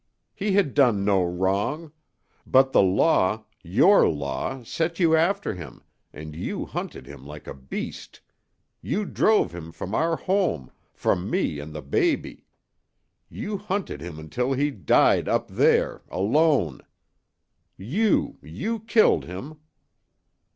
He had done no wrong. But the Law your Law set you after him, and you hunted him like a beast; you drove him from our home, from me and the baby. You hunted him until he died up there alone. You you killed him."